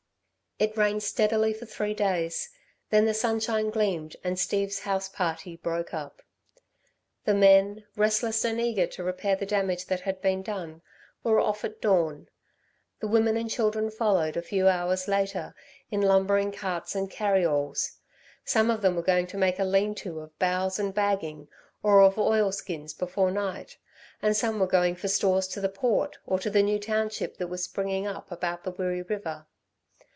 It rained steadily for three days; then the sunshine gleamed and Steve's house party broke up. The men, restless and eager to repair the damage that had been done, were off at dawn; the women and children followed a few hours later, in lumbering carts and carry alls. Some of them were going to make a lean to of boughs and bagging, or of oilskins before night, and some were going for stores to the Port, or to the new township that was springing up about the Wirree river.